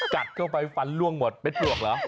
กัดเข้าไปฟันล่วงหมดเป็ดปลวกเหรอ